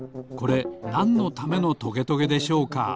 これなんのためのトゲトゲでしょうか？